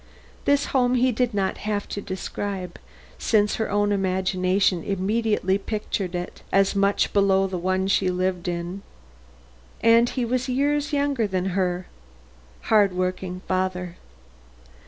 This home he did not have to describe, since her own imagination immediately pictured it as much below the one she lived in, as he was years younger than her hardworked father.